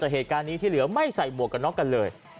แต่เหตุการณ์นี้ที่เหลือไม่ใส่หมวกกันน็อกกันเลย